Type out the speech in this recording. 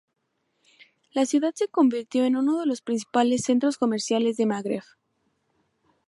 La ciudad se convirtió en uno de los principales centros comerciales del Magreb.